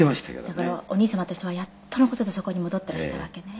だからお兄様としてはやっとの事でそこに戻っていらしたわけね。